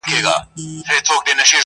نه شرنګى سته د پاوليو نه پايلو.!